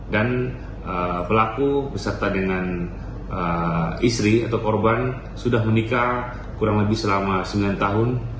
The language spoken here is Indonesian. pelaku beserta dengan istri atau korban sudah menikah kurang lebih selama sembilan tahun